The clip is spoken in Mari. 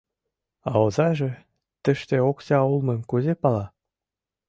— А озаже тыште окса улмым кузе пала?